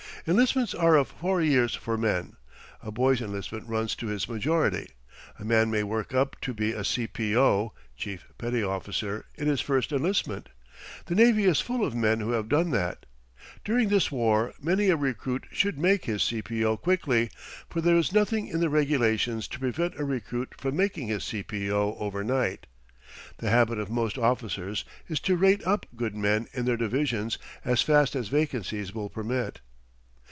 Enlistments are of four years for men. A boy's enlistment runs to his majority. A man may work up to be a C. P. O. (chief petty officer) in his first enlistment. The navy is full of men who have done that. During this war many a recruit should make his C. P. O. quickly, for there is nothing in the Regulations to prevent a recruit from making his C. P. O. overnight. The habit of most officers is to rate up good men in their divisions as fast as vacancies will permit.